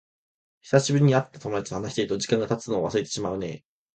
久しぶりに会った友達と話していると、時間が経つのをすっかり忘れちゃうね。